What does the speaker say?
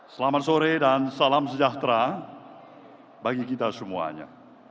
selamat sore dan salam sejahtera bagi kita semuanya